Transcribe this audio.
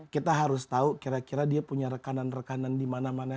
kita harus tahu kira kira dia punya rekanan rekanan di mana mana